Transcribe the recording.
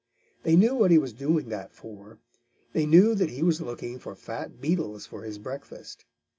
They knew what he was doing that for. They knew that he was looking for fat beetles for his breakfast.